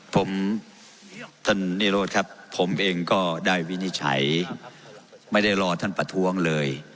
ผมท่านนิโรธครับผมเองก็ได้วินิจฉัยไม่ได้รอท่านประท้วงเลย